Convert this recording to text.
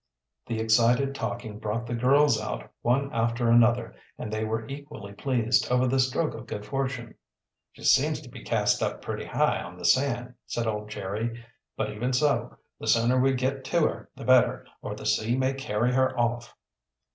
The excited talking brought the girls out one after another, and they were equally pleased over the stroke of good fortune. "She seems to be cast up pretty high on the sand," said old Jerry. "But even so, the sooner we get to her the better, or the sea may carry her off."